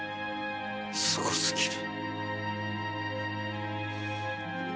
すご過ぎる。